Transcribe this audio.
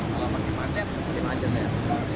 kalau pake manjat